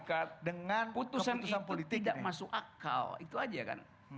bukan tidak suka dengan keputusan itu tidak masuk akal itu aja kan